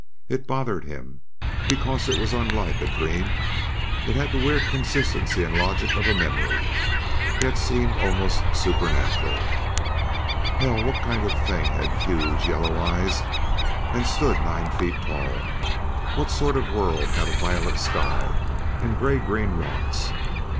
It bothered him, because it was unlike a dream; it had the weird consistency and logic of a memory, yet seemed almost supernatural ... Hell, what kind of thing had huge, yellow eyes and stood nine feet tall? What sort of a world had a violet sky and grey green rocks?